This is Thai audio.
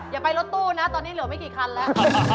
อย่าไปรถตู้นะตอนนี้เหลือไม่กี่คันแล้ว